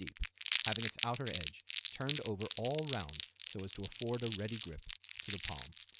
deep, having its outer edge turned over all round so as to afford a ready grip to the palm.